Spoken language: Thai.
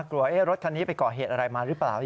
รถคันนี้ไปก่อเหตุอะไรมาหรือเปล่า